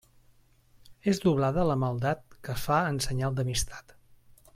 És doblada la maldat que es fa en senyal d'amistat.